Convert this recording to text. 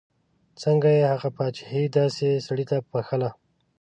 څنګه یې هغه پاچهي داسې سړي ته بخښله.